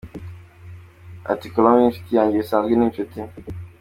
Ati “Colombe ni inshuti yanjye bisanzwe, ni inshuti.